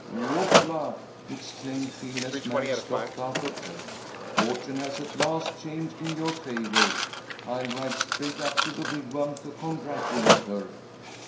"Whoop la!" exclaimed Phil, as Mary stopped, out of breath. "Fortune has at last changed in your favour. I'll ride straight up to the Wigwam to congratulate her."